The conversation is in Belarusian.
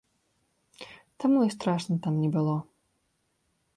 Таму і страшна там не было.